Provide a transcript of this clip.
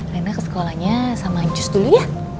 rena ke sekolahnya sama jus dulu ya